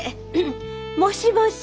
もしもし。